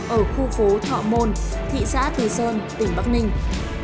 ở khu phố thọ môn thị xã từ sơn tỉnh bắc ninh